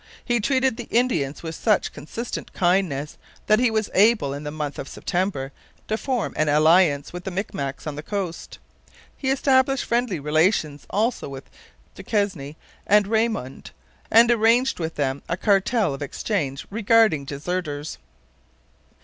He treated the Indians with such consistent kindness that he was able in the month of September to form an alliance with the Micmacs on the coast. He established friendly relations also with Duquesne and Raymond, and arranged with them a cartel of exchange regarding deserters.